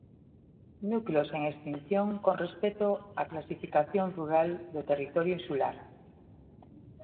Núcleos en extinción con respecto á clasificación rural do territorio insular.